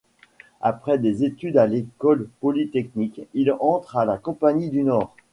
Après des études à l'École polytechnique, il entre à la Compagnie du Nord.